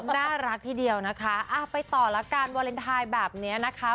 น่ารักทีเดียวนะคะไปต่อละกันวาเลนไทยแบบนี้นะคะ